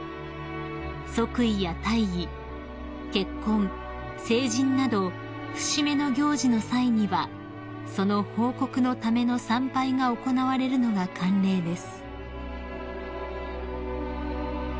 ［即位や退位・結婚・成人など節目の行事の際にはその報告のための参拝が行われるのが慣例です］